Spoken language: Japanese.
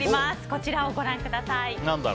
こちらをご覧ください。